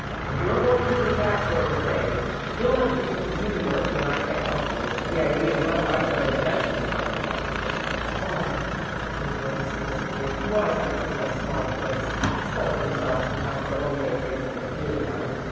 "If you're going to do that sort of thing, you'll have people to do the work when I can't help you. The idea of my wife driving a vegetable cart!" "All right," answered Dorothy, submissively, wise enough to let small points settle themselves and have her own way in things that really mattered.